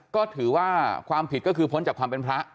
ก็ถือว่าความผิดก็คือพ้นจากความเป็นพระ